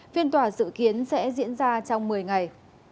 phiên tòa dự kiến sẽ diễn ra trong một mươi ngày